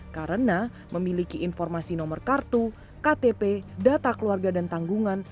karena memiliki informasi nomor kartu ktp data keluarga dan tanggungan